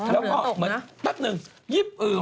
แล้วก็เหมือนแป๊บหนึ่ง